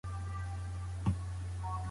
که لمر وي نو منظر نه تیاره کیږي.